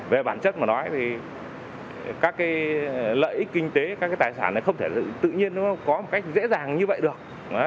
về bản chất mà nói thì các cái lợi ích kinh tế các cái tài sản này không thể tự nhiên nó có một cách dễ dàng như vậy được